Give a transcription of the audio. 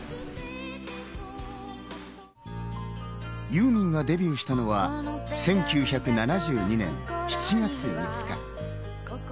ユーミンがデビューしたのは１９７２年７月５日。